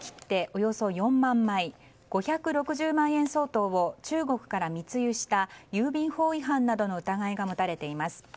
およそ４万枚５６０万円相当を中国から密輸した郵便法違反などの疑いが持たれています。